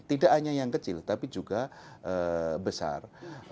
tidak hanya yang kecil tapi juga besar